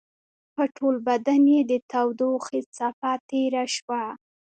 په ټول بدن يې د تودوخې څپه تېره شوه.